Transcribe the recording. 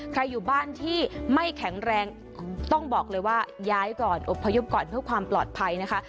อยู่บ้านที่ไม่แข็งแรงต้องบอกเลยว่าย้ายก่อนอบพยพก่อนเพื่อความปลอดภัยนะคะ